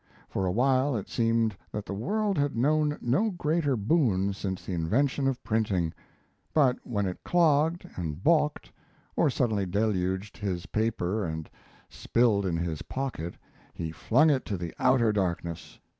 For a while it seemed that the world had known no greater boon since the invention of printing; but when it clogged and balked, or suddenly deluged his paper and spilled in his pocket, he flung it to the outer darkness.